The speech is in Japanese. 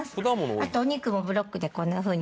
あとお肉もブロックでこんなふうに。